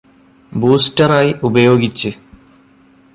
ബൂസ്റ്ററായി ഉപയോഗിച്ച്